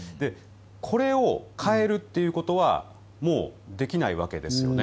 これを変えるということはもうできないわけですよね。